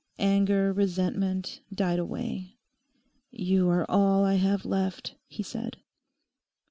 Anger, resentment died away. 'You are all I have left,' he said.